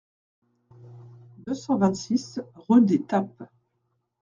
deux cent vingt-six rue des Tappes